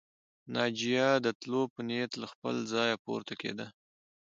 ناجيه د تلو په نيت له خپله ځايه پورته کېده